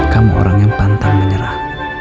kamu orang yang pantang menyerah